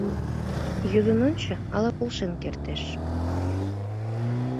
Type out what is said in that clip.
Йодын ончо, ала полшен кертеш.